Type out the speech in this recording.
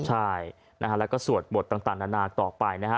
ใช่แล้วก็สวดบทต่างนานต่อไป